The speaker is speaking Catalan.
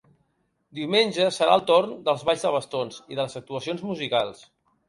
Diumenge serà el torn dels balls de bastons i de les actuacions musicals.